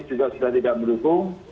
secara teknis juga tidak mendukung